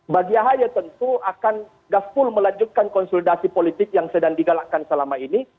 bagi ahaye tentu akan gaspul melanjutkan konsultasi politik yang sedang digalakkan selama ini